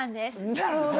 なるほど。